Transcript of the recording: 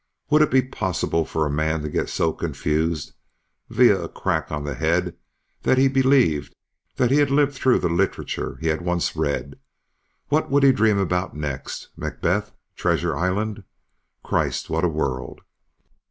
Would it be possible for a man to get so confused via a crack on the head, that he believed he had lived through the literature he'd once read? What would he dream about next? Macbeth? Treasure Island? Christ, what a world!